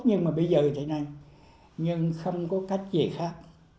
nhưng mà bây giờ thì thế này nhưng không có cách gì khác